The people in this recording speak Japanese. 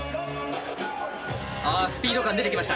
あスピード感出てきました。